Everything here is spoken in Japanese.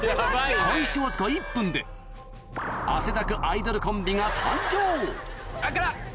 開始わずか１分で汗だくアイドルコンビが誕生あっ辛っ！